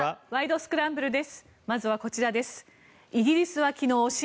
スクランブル」です。